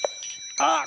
あっ！